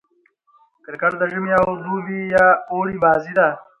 کرکټ د ژمي او دوبي يا اوړي بازي ده.